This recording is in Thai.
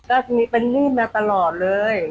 ก็เป็นนิ่มมาตลอดเลย